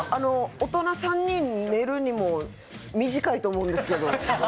大人３人寝るにも短いと思うんですけど。